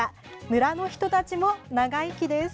村の人たちも、長生きです！